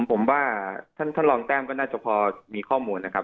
ผมว่าท่านรองแต้มก็น่าจะพอมีข้อมูลนะครับ